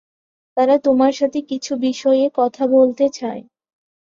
তারা তোমার সাথে কিছু বিষয়ে কথা বলতে চায়।